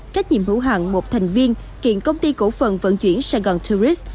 trách nhiệm hữu hạng một thành viên kiện công ty cổ phần vận chuyển sài gòn tourist